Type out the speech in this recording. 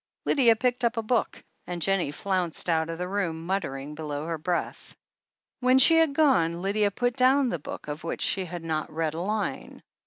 Lydia picked up a book, and Jennie flounced out of the room, muttering below her breath. When she had gone Lydia put down the book, of which she had not read a line.